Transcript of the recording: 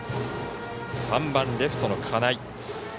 ３番レフトの金井。